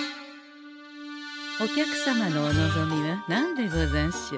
お客様のお望みは何でござんしょう？